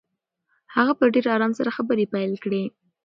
هغه په ډېر آرام سره خبرې پیل کړې.